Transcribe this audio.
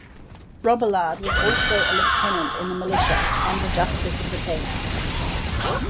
Robillard was also a lieutenant in the militia and a justice of the peace.